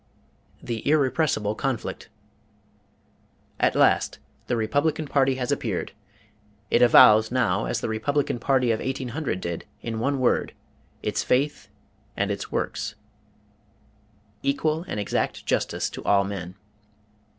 THE IRREPRESSIBLE CONFLICT ... At last, the Republican party has appeared. It avows, now, as the Republican party of 1800 did, in one word, its faith and its works, "Equal and exact justice to all men."